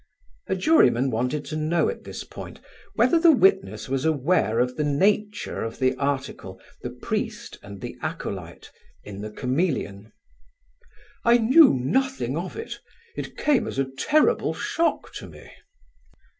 A juryman wanted to know at this point whether the witness was aware of the nature of the article, "The Priest and the Acolyte," in The Chameleon. "I knew nothing of it; it came as a terrible shock to me."